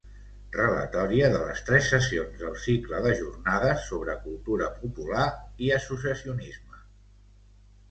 Relatoria de les tres sessions del cicle de jornades sobre cultura popular i associacionisme.